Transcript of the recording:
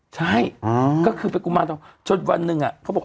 ใช่ก็คือเป็นกุมารทองจนวันหนึ่งเขาบอก